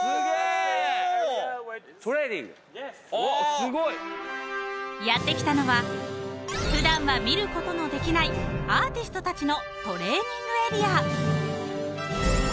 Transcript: すごい！［やって来たのは普段は見ることのできないアーティストたちの］